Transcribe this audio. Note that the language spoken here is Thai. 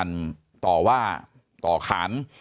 สวัสดีครับ